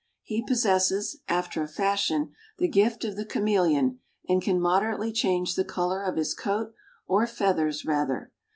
He possesses, after a fashion, the gift of the chameleon and can moderately change the color of his coat, or feathers, rather.